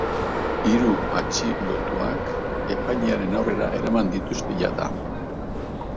Hiru atxilotuak epailearen aurrera eraman dituzte jada.